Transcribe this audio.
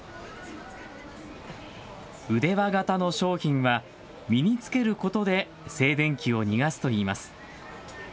腕輪型の商品は身に着けることで静電気を逃がすといいます。